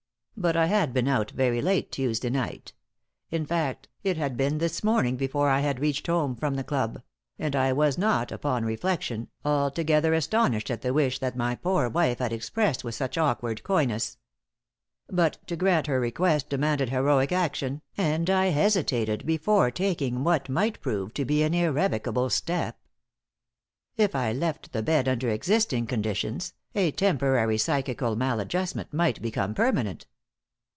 But I had been out very late Tuesday night in fact, it had been this morning before I had reached home from the club and I was not, upon reflection, altogether astonished at the wish that my poor wife had expressed with such awkward coyness. But to grant her request demanded heroic action, and I hesitated before taking what might prove to be an irrevocable step. If I left the bed under existing conditions, a temporary psychical maladjustment might become permanent.